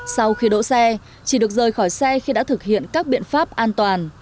sau khi đỗ xe chỉ được rời khỏi xe khi đã thực hiện các biện pháp an toàn